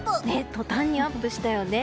とたんにアップしたよね。